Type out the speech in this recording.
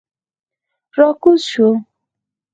را کوز شوو.